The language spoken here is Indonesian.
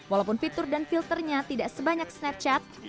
walaupun fitur dan filternya tidak sebanyak snapchat